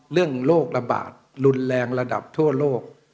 เรื่องโลกระบาดรุนแรงระดับทั่วโลก